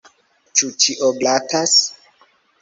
Ĉu ĉio glatas?